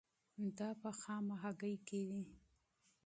دا په خامه هګۍ کې وي.